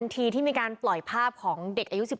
ทีที่มีการปล่อยภาพของเด็กอายุ๑๔